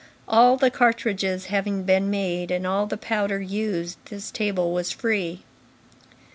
All the cartridges having been made, and all the powder used, this table was free.